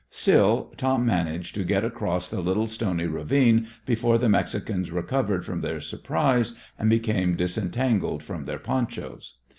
Still, Tom managed to get across the little stony ravine before the Mexicans recovered from their surprise and became disentangled from their ponchos.